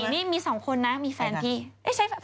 นี่มี๒คนนะมีแฟนพี่